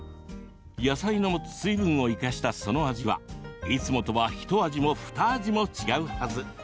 野菜の持つ水分を生かしたその味はいつもとはひと味も、ふた味も違うはず。